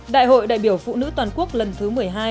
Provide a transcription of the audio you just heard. đại hội đại biểu phụ nữ toàn quốc lần thứ một mươi hai